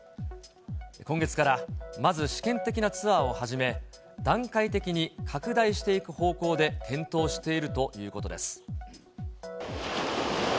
今月から、まず試験的なツアーを始め、段階的に拡大していく方向で検討しているということです。